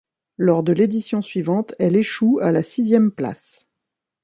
Lors de l'édition suivante, elle échoue à la sixième place.